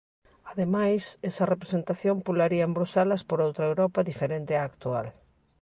Ademais, esa representación pularía en Bruxelas por outra Europa diferente á actual.